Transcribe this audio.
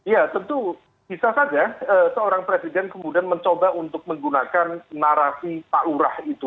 ya tentu bisa saja seorang presiden kemudian mencoba untuk menggunakan narasi pak lurah itu